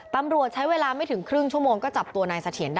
ตำรวจใช้เวลาไม่ถึงครึ่งชั่วโมงก็จับตัวนายเสถียรได้